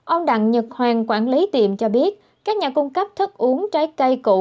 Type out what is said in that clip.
ông đặng nhật hoàng quản lý tiệm cho biết các nhà cung cấp thức uống trái cây cũ